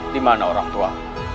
dimana orang tua